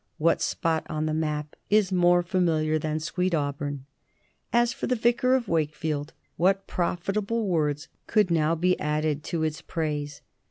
What spot on the map is more familiar than Sweet Auburn? As for the "Vicar of Wakefield," what profitable words could now be added to its praise?